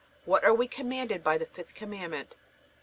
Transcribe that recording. What are we commanded by the fifth Commandment?